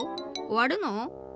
おわるの？